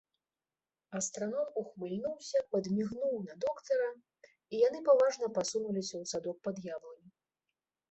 Астраном ухмыльнуўся, падмігнуў на доктара, і яны паважна пасунуліся ў садок пад яблыню.